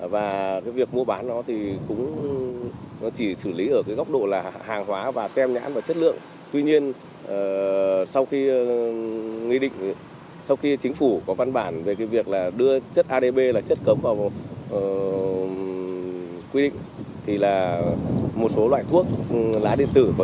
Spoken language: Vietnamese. và việc mua bán nó chỉ xử lý ở góc độ